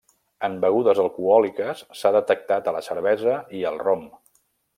En begudes alcohòliques s'ha detectat a la cervesa i al rom.